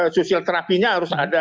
sosial terapinya harus ada